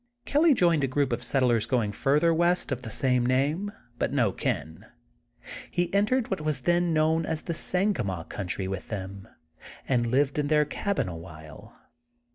Kelly joined a group of settlers going fur ther west of the same name, but no kin. He entered what was then known aq the Sanga maw" Country with them and lived in their cabin a while.